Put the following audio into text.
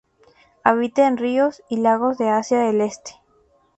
Habita en ríos y lagos de Asia del Este.